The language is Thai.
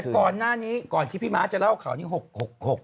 แต่ก่อนหน้านี้ก่อนที่พี่ม้าจะเล่าข่าวนี้๖ชั่วโมง